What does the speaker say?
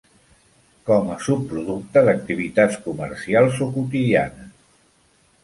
Com a subproducte d'activitats comercials o quotidianes.